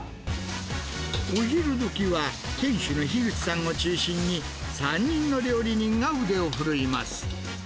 お昼どきは、店主の樋口さんを中心に、３人の料理人が腕を振るいます。